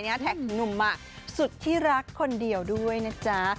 แท็กหนุ่มมาสุดที่รักคนเดียวด้วยนะจ๊ะ